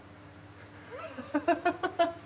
ハハハハ。